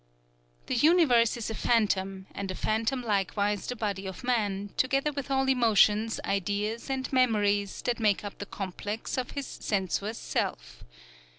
_" The universe is a phantom, and a phantom likewise the body of man, together with all emotions, ideas, and memories that make up the complex of his sensuous Self.